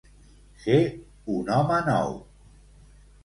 Ser un home nou.